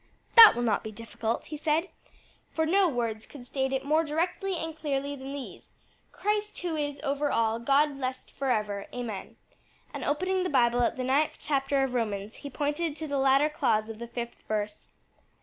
"That will not be difficult," he said; "for no words could state it more directly and clearly than these, 'Christ, who is over all, God blessed forever. Amen,'" And opening the Bible at the ninth chapter of Romans, he pointed to the latter clause of the fifth verse.